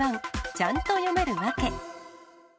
ちゃんと読める訳。